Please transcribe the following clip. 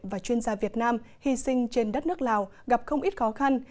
và chuyên gia việt nam hy sinh trên đất nước lào gặp không ít khó khăn